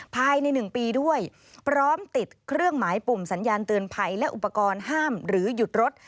ภายใน๑ปีด้วยพร้อมติดเครื่องหมายปุ่มสัญญาณเตือนภัยและอุปกรณ์ห้ามหรือหยุดรถ